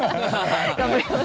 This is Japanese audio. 頑張ります。